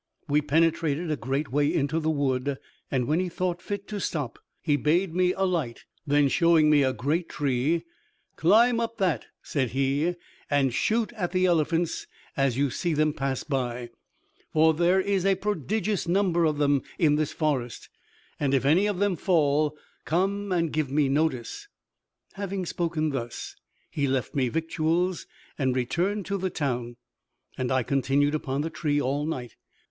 We penetrated a great way into the wood, and when he thought fit to stop, he bade me alight; then showing me a great tree, "Climb up that," said he, "and shoot at the elephants as you see them pass by, for there is a prodigious number of them in this forest, and if any of them fall, come and give me notice." Having spoken thus, he left me victuals, and returned to the town, and I continued upon the tree all night.